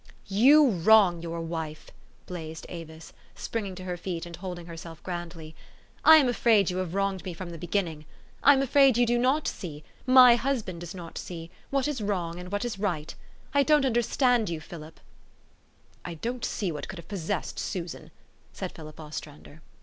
" You wrong your wife !" blazed Avis, springing to her feet, and holding herself grandly. " I am afraid you have wronged me from the beginning. I THE STOEY OF AVIS. 303 am afraid you do not see my husband does not see what is wrong, and what is right. I don't understand you, Philip." " I don't see what could have possessed Susan," said Philip Ostrander.